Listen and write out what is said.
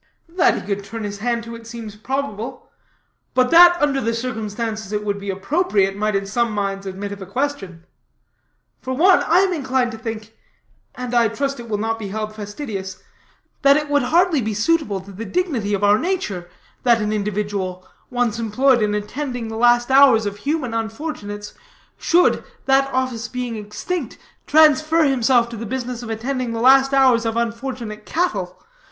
"That he could turn his hand to it seems probable; but that, under the circumstances, it would be appropriate, might in some minds admit of a question. For one, I am inclined to think and I trust it will not be held fastidiousness that it would hardly be suitable to the dignity of our nature, that an individual, once employed in attending the last hours of human unfortunates, should, that office being extinct, transfer himself to the business of attending the last hours of unfortunate cattle.